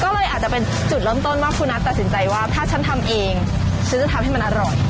ก็เลยอาจจะเป็นจุดเริ่มต้นว่าคุณนัทตัดสินใจว่าถ้าฉันทำเองฉันจะทำให้มันอร่อย